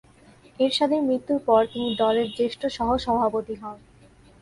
এরশাদের মৃত্যুর পর, তিনি দলের জ্যেষ্ঠ সহ-সভাপতি হন।